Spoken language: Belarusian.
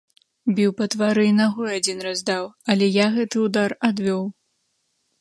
Біў па твары і нагой адзін раз даў, але я гэты ўдар адвёў.